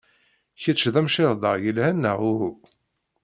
Kečč d amcirḍar yelhan neɣ uhu?